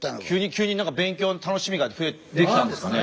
急に勉強の楽しみができたんですかね。